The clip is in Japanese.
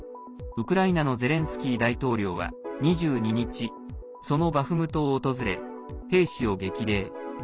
ウクライナのゼレンスキー大統領は、２２日そのバフムトを訪れ、兵士を激励。